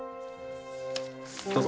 どうぞ。